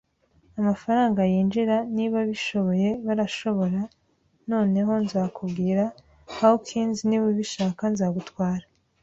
amafaranga yinjira, niba abishoboye barashobora. Noneho, nzakubwira, Hawkins, niba ubishaka, nzagutwara